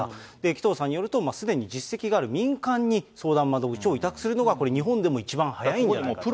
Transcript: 紀藤さんによると、すでに実績がある民間に相談窓口を委託するのが、日本でも一番早いんじゃないかと。